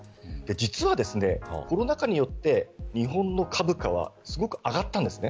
実はコロナ禍によって日本の株価はすごく上がったんです。